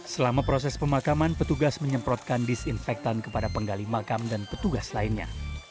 selama proses pemakaman petugas menyemprotkan disinfektan kepada penggali makam dan petugas lainnya